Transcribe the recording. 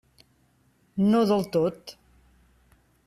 No del tot.